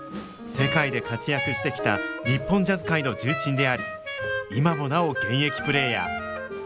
世界で活躍してきた日本ジャズ界の重鎮であり今もなお現役プレーヤー。